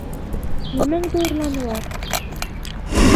Нимәңде урланылар?